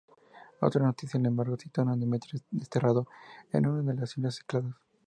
Otras noticias, sin embargo, sitúan a Demetrio desterrado en una de las islas Cícladas.